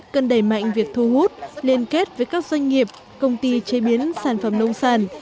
cần đẩy mạnh việc thu hút liên kết với các doanh nghiệp công ty chế biến sản phẩm nông sản